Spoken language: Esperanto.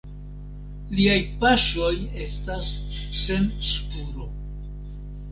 Liaj paŝoj estas sen spuro.